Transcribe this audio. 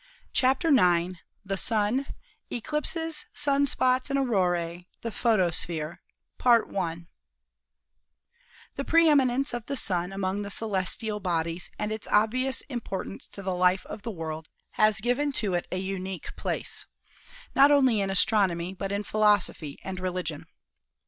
CHAPTER IX THE SUN 1 : ECLIPSES ; SUN SPOTS AND AURORA J THE PHO TOSPHERE The preeminence of the Sun among the celestial bodies and its obvious importance to the life of the world has given to it a unique place, not only in astronomy but in philosophy and religion.